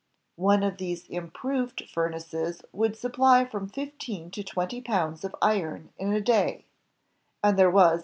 One of these improved furnaces would supply from fifteen to twenty pounds of iron in a day, and there was.